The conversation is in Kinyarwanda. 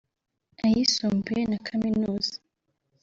ayisumbuye na Kaminuza